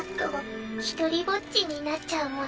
独りぼっちになっちゃうもの。